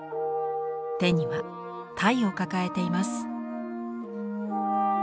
手にはたいを抱えています。